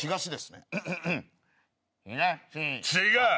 違う。